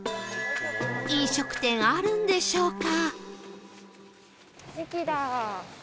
飲食店あるんでしょうか？